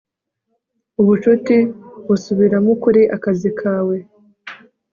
ubucuti busubiramo ukuri akazi kawe